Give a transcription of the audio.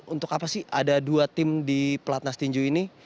untuk apa sih ada dua tim di platnas tinju ini